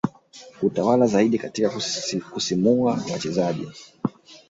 hutawala zaidi katika kusisimua wachezaji